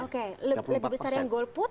lebih besar yang goal put